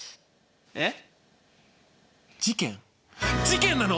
えっ？